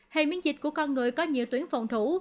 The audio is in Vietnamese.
hệ miễn dịch của con người có nhiều tuyến phòng thủ